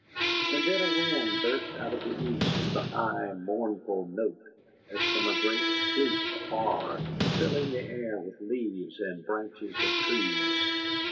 And then a wind burst out of the east with a high mournful note, as from a great flute afar, filling the air with leaves and branches of trees.